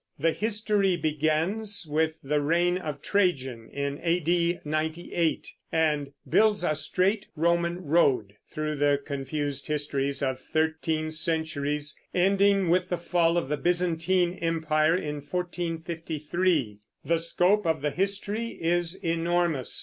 The History begins with the reign of Trajan, in A.D. 98, and "builds a straight Roman road" through the confused histories of thirteen centuries, ending with the fall of the Byzantine Empire in 1453. The scope of the History is enormous.